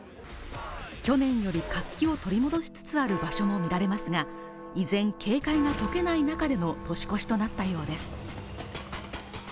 去年より活気を取り戻しつつある場所も見られますが、依然、警戒が解けない中での年越しとなったようです。